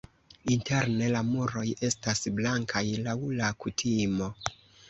Interne la muroj estas blankaj laŭ la kutimo.